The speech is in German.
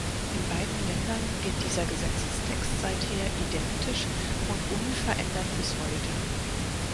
In beiden Ländern gilt dieser Gesetzestext seither identisch und unverändert bis heute.